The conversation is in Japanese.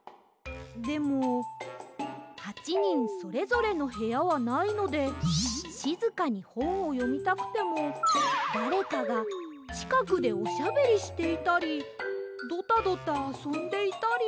でも８にんそれぞれのへやはないのでしずかにほんをよみたくてもだれかがちかくでおしゃべりしていたりドタドタあそんでいたり。